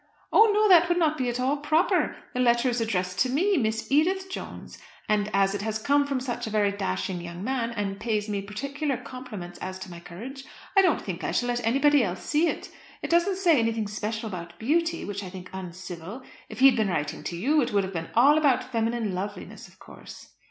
"Oh, no! That would not be at all proper. The letter is addressed to me, Miss Edith Jones. And as it has come from such a very dashing young man, and pays me particular compliments as to my courage, I don't think I shall let anybody else see it. It doesn't say anything special about beauty, which I think uncivil. If he had been writing to you, it would all have been about feminine loveliness of course."